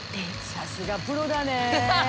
さすがプロだね。